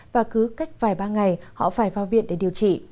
và cứ cách vài ba ngày họ phải vào viện để điều trị